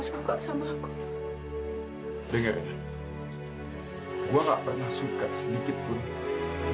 gue mohon jangan menangis karena gue